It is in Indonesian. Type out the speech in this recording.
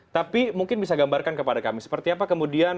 tapi mungkin bisa gambarkan kepada kami seperti apa kemudian